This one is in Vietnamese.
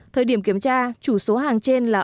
thời điểm kiểm tra chủ số hàng trên là